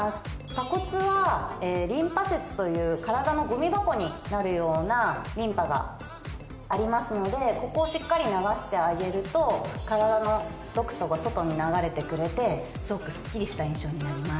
鎖骨はリンパ節という体のごみ箱になるようなリンパがありますのでここをしっかり流してあげると体の毒素が外に流れてくれてすごくすっきりした印象になります。